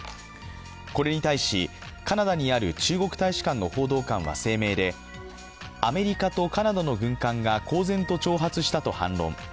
これに対し、カナダにある中国大使館の報道官は声明で、アメリカとカナダの軍艦が公然と挑発したと反論。